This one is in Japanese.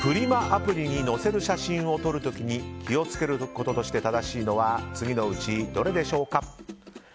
アプリに載せる写真を撮る時に気を付けることとして正しいのは次のうちどれでしょうか？